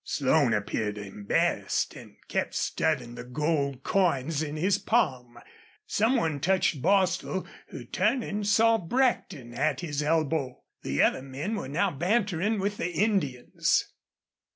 Slone appeared embarrassed and kept studying the gold coins in his palm. Some one touched Bostil, who, turning, saw Brackton at his elbow. The other men were now bantering with the Indians.